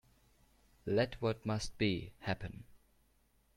Let what must be, happen.